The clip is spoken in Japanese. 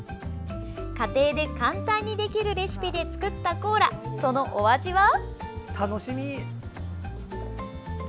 家庭で簡単にできるレシピで作ったコーラ、そのお味は？